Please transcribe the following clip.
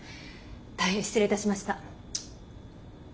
大変失礼いたしました。